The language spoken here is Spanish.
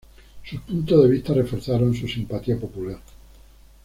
Sus puntos de vista reforzaron su simpatía popular.